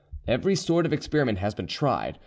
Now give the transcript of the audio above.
Every sort of experiment has been tried.